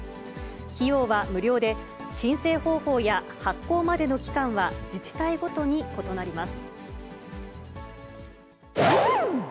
費用は無料で、申請方法や発行までの期間は、自治体ごとに異なります。